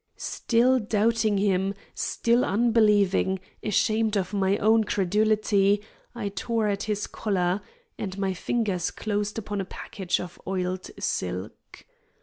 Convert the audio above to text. Still doubting him, still unbelieving, ashamed of my own credulity, I tore at his collar, and my fingers closed upon a package of oiled silk.